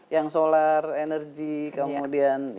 yang solar energi kemudian